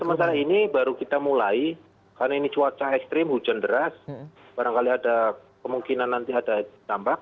sementara ini baru kita mulai karena ini cuaca ekstrim hujan deras barangkali ada kemungkinan nanti ada tambak